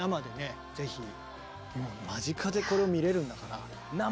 間近でこれを見れるんだから。